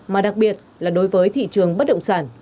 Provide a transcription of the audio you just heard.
mà đặc biệt là đối với thị trường bất động sản